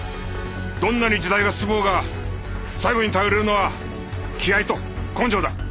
どんなに時代が進もうが最後に頼れるのは気合と根性だ。